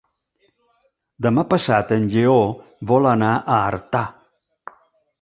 Demà passat en Lleó vol anar a Artà.